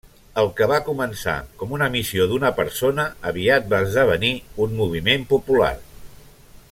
El que va començar com una missió d'una persona, aviat va esdevenir un moviment popular.